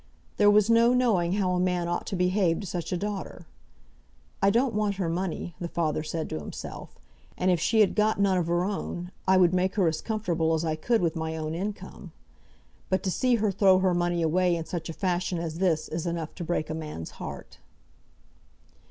There was no knowing how a man ought to behave to such a daughter. "I don't want her money," the father said to himself; "and if she had got none of her own, I would make her as comfortable as I could with my own income. But to see her throw her money away in such a fashion as this is enough to break a man's heart."